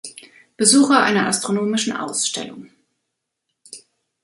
Besucher einer astronomischen Ausstellung.